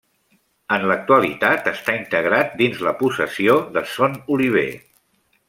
En l'actualitat està integrat dins la possessió de Son Oliver.